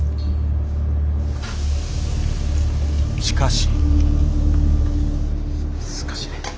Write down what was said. しかし。